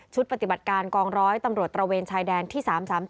ปฏิบัติการกองร้อยตำรวจตระเวนชายแดนที่๓๓๗